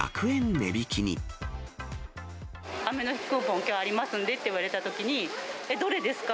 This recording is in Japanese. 値引き雨の日クーポン、きょうありますんでって言われたときに、えっ、どれですか？